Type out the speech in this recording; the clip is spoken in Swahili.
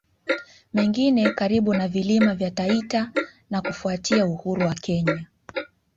Mengine karibu na Vilima vya Taita na Kufuatia uhuru wa Kenya